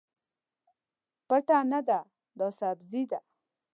پته نه ده، دا سبزي ده.